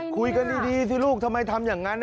คุยกันดีสิลูกทำไมทำอย่างนั้น